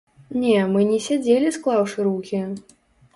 Не, мы не сядзелі склаўшы рукі.